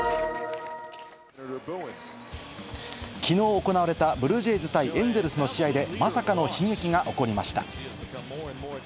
きのう行われた、ブルージェイズ対エンゼルスの試合でまさかの悲劇が起こりました。